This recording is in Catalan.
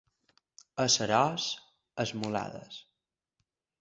A Seròs, esmolades.